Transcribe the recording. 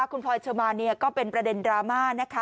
คุณพลอยเชอร์มานเนี่ยก็เป็นประเด็นดราม่านะคะ